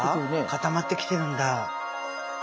固まってきてるんだ。